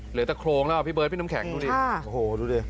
เหลือแต่โครงแล้วพี่เบิ้ลพี่น้ำแข็งดูดิ